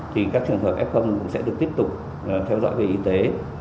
thì các trường hợp f sẽ được tiếp tục theo dõi về y tế